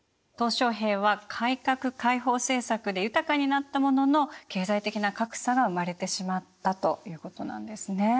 小平は改革開放政策で豊かになったものの経済的な格差が生まれてしまったということなんですね。